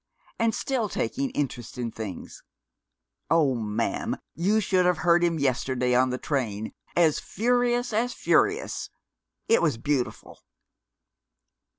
And still taking interest in things. Oh, ma'am, you should have heard him yesterday on the train, as furious as furious! It was beautiful!"